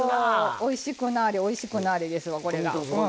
おいしくなれおいしくなれですよ。